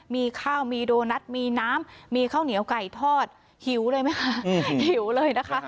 มีข้าวมีโดนัทมีน้ำมีข้าวเหนียวไก่ทอดหิวเลยไหมคะหิวเลยนะคะ